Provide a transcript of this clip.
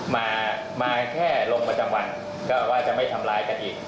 มามาแค่ลงประจำวันก็ว่าจะไม่ทำร้ายกันอีก